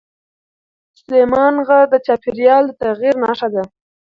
سلیمان غر د چاپېریال د تغیر نښه ده.